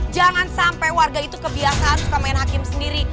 jangan sampai warga itu kebiasaan suka main hakim sendiri